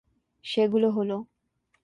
সেগুলো হল